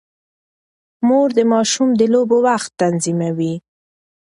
مور د ماشوم د لوبو وخت تنظيموي.